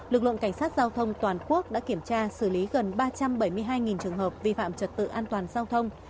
lực lượng cảnh sát giao thông toàn quốc đã kiểm tra xử lý gần ba trăm bảy mươi hai trường hợp vi phạm trật tự an toàn giao thông